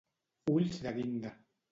Ulls de guinda.